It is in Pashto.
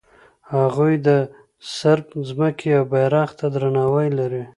هغوی د صرب ځمکې او بیرغ ته درناوی لري.